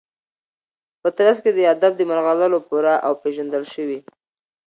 په ترڅ کي د ادب د مرغلرو پوره او پیژندل شوي